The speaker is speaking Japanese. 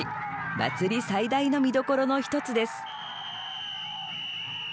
祭り最大の見どころの一つです。